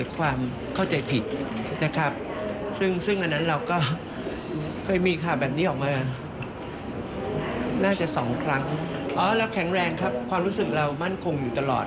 ความรู้สึกเรามั่นคงอยู่ตลอด